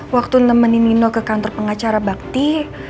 waktu nemenin nino ke kantor pengacara bakti